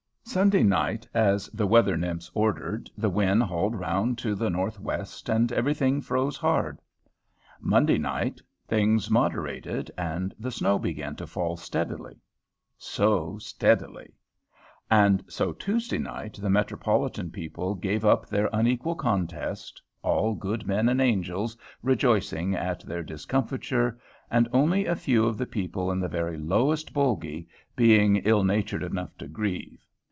Sunday night as the weather nymphs ordered, the wind hauled round to the northwest and everything froze hard. Monday night, things moderated and the snow began to fall steadily, so steadily; and so Tuesday night the Metropolitan people gave up their unequal contest, all good men and angels rejoicing at their discomfiture, and only a few of the people in the very lowest Bolgie, being ill natured enough to grieve.